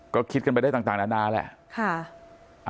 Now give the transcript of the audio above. ก็คิดกันไปได้ต่างนานาแหละ